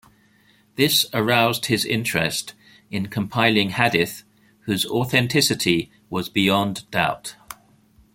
This aroused his interest in compiling hadith whose authenticity was beyond doubt.